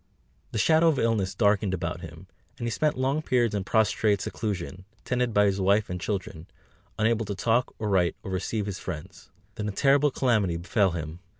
The shadow of illness darkened about him, and he spent long periods in prostrate seclusion, tended by his wife and children, unable to write or talk or receive his friends. Then a terrible calamity befell him.